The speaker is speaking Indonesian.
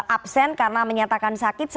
absen karena menyatakan sakit